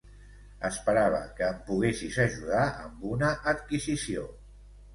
Esperava que em poguessis ajudar amb una adquisició.